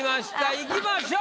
いきましょう。